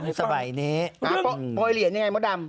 คนสบายนี้ปล่อยเหรียญยังไงมดำ